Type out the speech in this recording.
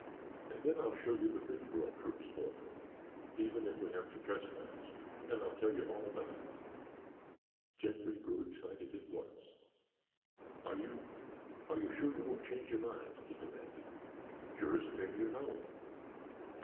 And then I'll show you the Bridgeboro Troop's boat, even if we have to trespass, and I'll tell you all about it." Jeffrey grew excited at once. "Are you—are you sure you won't change your mind?" he demanded. "Surest thing you know."